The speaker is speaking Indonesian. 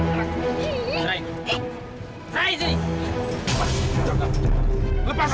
melayu melayu silahkan pak